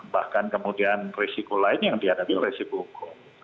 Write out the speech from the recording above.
bahkan kemudian risiko lain yang dihadapi adalah risiko hukum